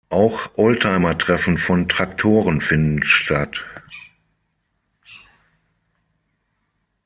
Auch Oldtimertreffen von Traktoren finden statt.